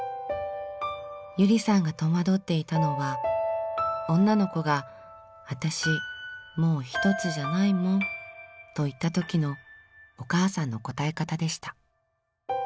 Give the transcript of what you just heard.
ゆりさんが戸惑っていたのは女の子が「あたしもうひとつじゃないもん」と言ったときのお母さんの答え方でした。